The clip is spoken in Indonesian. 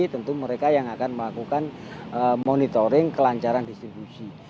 tentu mereka yang akan melakukan monitoring kelancaran distribusi